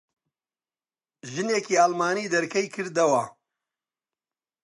ژنێکی ئەڵمانی دەرکەی کردەوە.